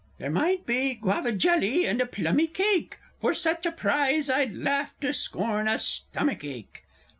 _ There might be Guava jelly, and a plummy cake, For such a prize I'd laugh to scorn a stomach ache!